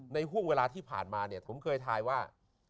ห่วงเวลาที่ผ่านมาเนี่ยผมเคยทายว่า